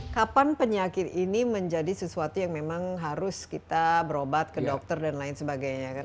kapan penyakit ini menjadi sesuatu yang memang harus kita berobat ke dokter dan lain sebagainya kan